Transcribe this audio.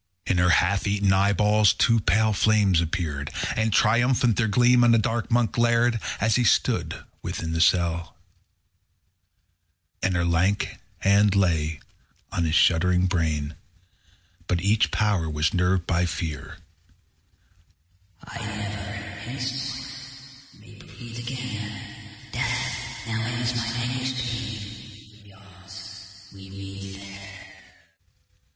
In her half eaten eyeballs two pale flames appeared, And triumphant their gleam on the dark Monk glared, As he stood within the cell. _90 17. And her lank hand lay on his shuddering brain; But each power was nerved by fear.